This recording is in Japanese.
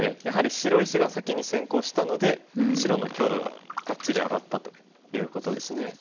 やはり白石が先に先行したので白の強度がガッチリ上がったということですね。